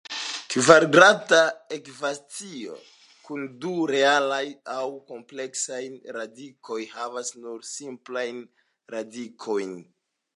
Kvadrata ekvacio kun du reelaj aŭ kompleksaj radikoj havas nur simplajn radikojn.